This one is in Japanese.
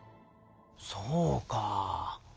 そうか。